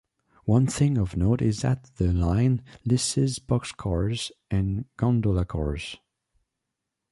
One thing of note is that the line leases boxcars and gondola cars.